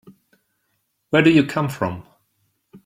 Where do you come from?